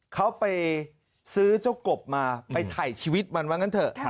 เขาไปซื้อเจ้ากบมาไปถ่ายชีวิตมันว่างั้นเถอะ